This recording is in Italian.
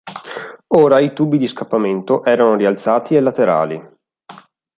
Ora i tubi di scappamento erano rialzati e laterali.